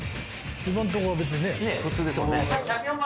今んとこは別にね普通ですもんね